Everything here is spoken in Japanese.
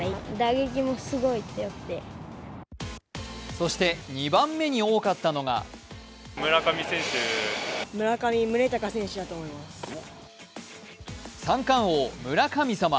そして２番目に多かったのが三冠王・村神様。